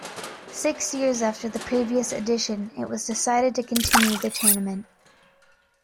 Six years after the previous edition, it was decided to continue the tournament.